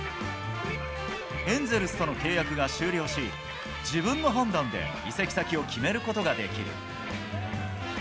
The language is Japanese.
エンゼルスとの契約が終了し、自分の判断で移籍先を決めることができる。